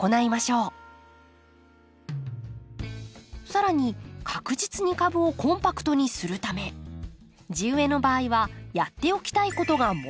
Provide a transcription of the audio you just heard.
更に確実に株をコンパクトにするため地植えの場合はやっておきたいことがもう一つ。